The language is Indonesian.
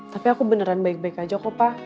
tapi aku beneran baik baik aja kok pak